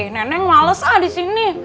nenek malesa disini